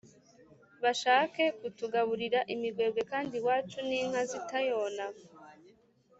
bashake kutugaburira imigwegwe kandi iwacu n'inka zitayona"